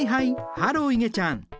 ハローいげちゃん。